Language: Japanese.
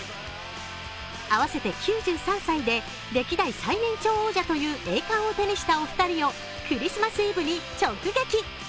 合わせて９３歳で歴代最年長王者という栄冠を手にしたお二人をクリスマスイヴに直撃。